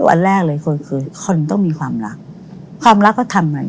อันแรกเลยคนเคยคนต้องมีความรักความรักเขาทำไง